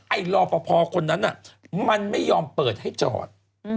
รอปภคนนั้นมันไม่ยอมเปิดให้จอด